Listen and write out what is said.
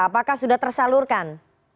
apakah sudah tersalurkan